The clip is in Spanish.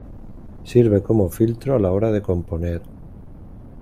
sirve como filtro a la hora de componer